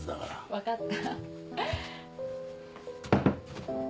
分かった。